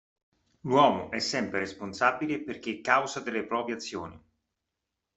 L'uomo è sempre responsabile perché causa delle proprie azioni.